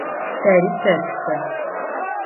Тэри тэтхэ.